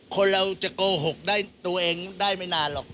คนเราจะโกหกได้ตัวเองได้ไม่นานหรอก